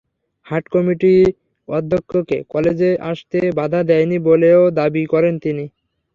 হাট কমিটি অধ্যক্ষকে কলেজে আসতে বাধা দেয়নি বলেও দাবি করেন তিনি।